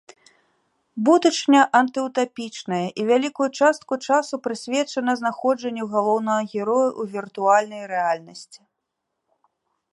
Будучыня антыўтапічная і вялікую частку часу прысвечана знаходжанню галоўнага героя ў віртуальнай рэальнасці.